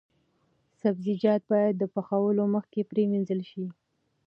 سبزیجات باید د پخولو مخکې پریمنځل شي.